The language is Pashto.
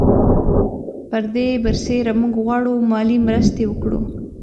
پر دې برسېره موږ غواړو مالي مرستې وکړو.